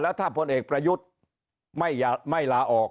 ถ้าพลเอกประยุทธ์ไม่ลาออก